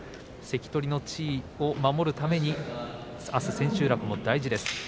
関取の地位を守るためにあす、千秋楽大事です。